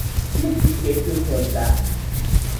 Klip is készült hozzá.